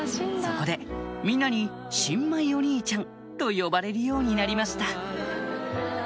そこでみんなに「新米お兄ちゃん」と呼ばれるようになりました